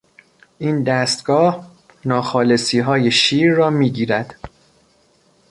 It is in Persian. این دستگاه ناخالصیهای شیر را میگیرد.